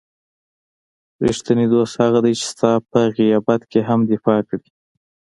رښتینی دوست هغه دی چې ستا په غیابت کې هم دفاع کړي.